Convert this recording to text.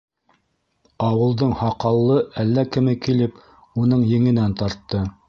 Ауылдың һаҡаллы әллә кеме килеп уның еңенән тартты: